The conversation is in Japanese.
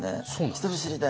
人見知りで。